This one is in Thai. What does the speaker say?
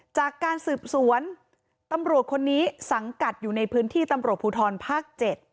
จากการสืบสวนตำรวจคนนี้สังกัดอยู่ในพื้นที่ตำรวจภูทรภาค๗